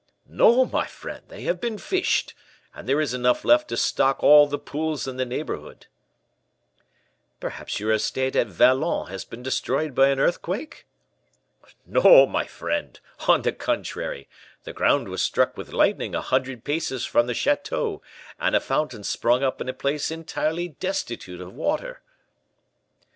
"No, my friend: they have been fished, and there is enough left to stock all the pools in the neighborhood." "Perhaps your estate at Vallon has been destroyed by an earthquake?" "No, my friend; on the contrary, the ground was struck with lightning a hundred paces from the chateau, and a fountain sprung up in a place entirely destitute of water."